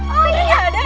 putri gak ada